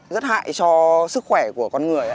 rất hại cho sức khỏe của con người đấy